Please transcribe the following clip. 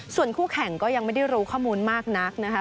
ส่วนคู่แข่งก็ยังไม่ได้รู้ข้อมูลมากนักนะคะ